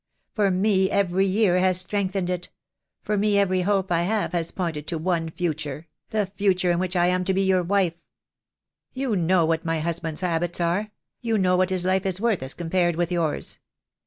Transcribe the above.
For me every year has strengthened it — for me every hope I have has pointed to one future —the future in which I am to be your wife. You know what my husband's habits are — you know what his life is worth as compared with yours.